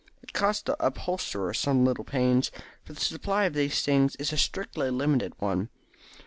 It cost the upholsterer some little pains, for the supply of these things is a strictly limited one.